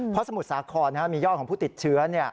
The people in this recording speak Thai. เพราะสมุทรสาครมียอดของผู้ติดเชื้อ